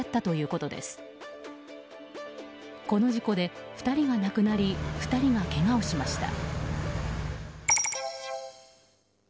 この事故で２人が亡くなり２人がけがをしました。